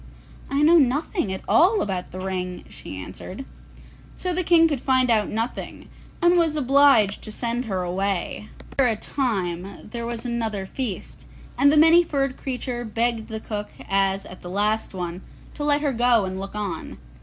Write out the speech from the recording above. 'I know nothing at all about the ring,' she answered. So the King could find out nothing, and was obliged to send her away. After a time there was another feast, and the Many furred Creature begged the cook as at the last one to let her go and look on.